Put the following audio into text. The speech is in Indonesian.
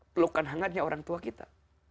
pelukan hangatnya orang tua kita